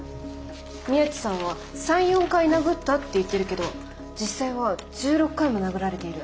宮地さんは３４回殴ったって言ってるけど実際は１６回も殴られている。